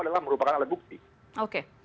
adalah merupakan alat bukti oke